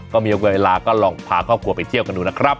ก็มีเวลาก็ลองพาครอบครัวไปเที่ยวกันดูนะครับ